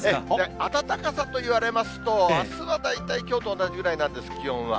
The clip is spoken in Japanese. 暖かさといわれますと、あすは大体きょうと同じぐらいなんです、気温は。